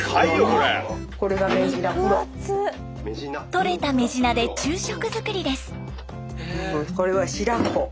とれたメジナで昼食作りです。